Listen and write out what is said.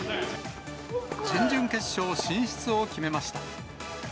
準々決勝進出を決めました。